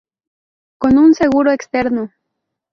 Con un seguro externo.